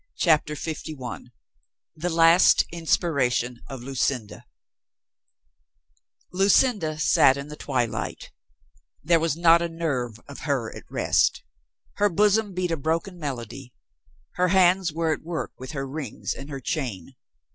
CHAPTER FIFTY ONE THE LAST INSPIRATION OF LUCINDA T UCINDA sat in the twilight There was not a ■—' nerve of her at rest. Her bosom beat a broken melody. Her hands were at work with her rings and her chain.